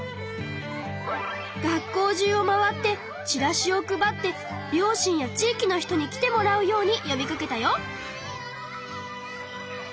学校中を回ってチラシを配って両親や地いきの人に来てもらうようによびかけたよ。